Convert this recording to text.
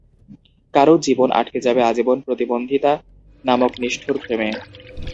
কারও জীবন আটকে যাবে আজীবন প্রতিবন্ধিতা নামক নিষ্ঠুর ফ্রেমে।